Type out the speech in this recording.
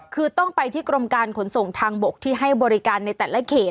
คือต้องไปที่กรมการขนส่งทางบกที่ให้บริการในแต่ละเขต